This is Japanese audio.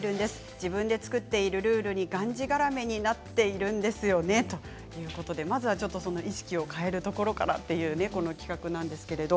自分で作っているルールにがんじがらめになっているんですよねということで、まずは意識を変えるところからというこの企画なんですけれど。